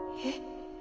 えっ。